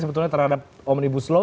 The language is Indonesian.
sebetulnya terhadap omnibus law